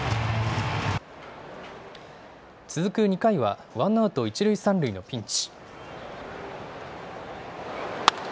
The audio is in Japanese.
続く２回はワンアウト１塁３塁のピンチ。